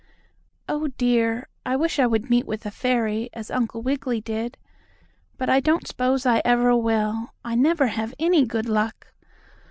"Oh, dear, I wish I would meet with a fairy, as Uncle Wiggily did! But I don't s'pose I ever will. I never have any good luck!